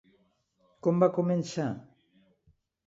Com va començar?